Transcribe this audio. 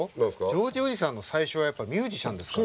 ジョージおじさんの最初はやっぱミュージシャンですから。